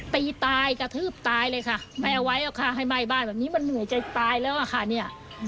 ตีตายกระทืบตายเลยค่ะไม่เอาไว้หรอกค่ะให้ไหม้บ้านแบบนี้มันเหนื่อยใจตายแล้วอะค่ะเนี่ย